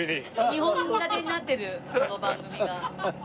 ２本立てになってるこの番組が。